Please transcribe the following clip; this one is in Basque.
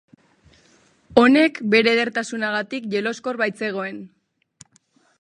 Honek bere edertasunagatik jeloskor baitzegoen.